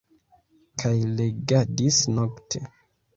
Kaj legadis nokte.